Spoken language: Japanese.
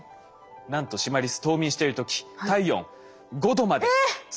なんとシマリス冬眠してる時体温５℃まで下げるんです。